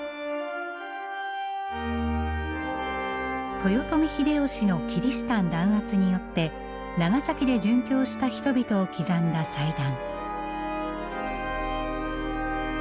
豊臣秀吉のキリシタン弾圧によって長崎で殉教した人々を刻んだ祭壇。